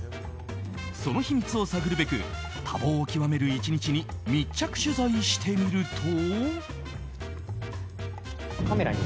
その秘密を探るべく多忙を極める１日に密着取材してみると。